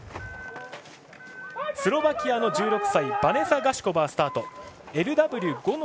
スロバキアの１６歳バネサ・ガシュコバー、スタート。